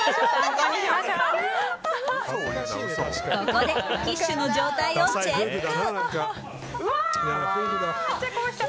ここでキッシュの状態をチェック。